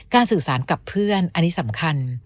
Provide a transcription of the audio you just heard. สื่อสารกับเพื่อนอันนี้สำคัญ